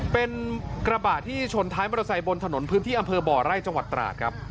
เป็นกระบาดที่ชนท้ายมอเตอร์ไซค์บนถนนทางพื้นที่อำเภอบรรถ์จศตราติครับ